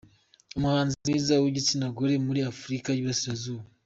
Umuhanzi mwiza w’igitsina gore muri Afurika y’Iburasirazuba.